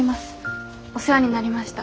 お世話になりました。